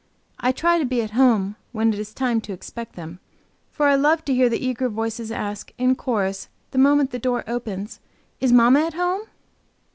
I try to be at home when it is time to expect them, for I love to hear the eager voices ask, in chorus, the moment the door opens: "Is mamma at home?"